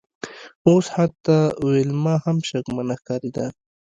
اوس حتی ویلما هم شکمنه ښکاریده